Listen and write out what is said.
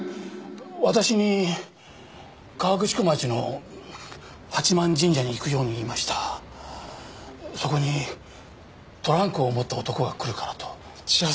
私に河口湖町の八幡神社に行くように言いましたそこにトランクを持った男が来るからとじゃあ